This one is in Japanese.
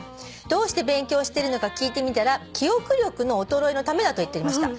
「どうして勉強してるのか聞いてみたら記憶力の衰えのためだと言っていました」